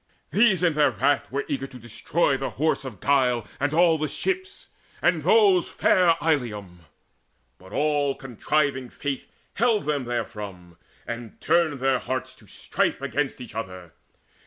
These in their wrath were eager to destroy The Horse of Guile and all the ships, and those Fair Ilium. But all contriving Fate Held them therefrom, and turned their hearts to strife Against each other.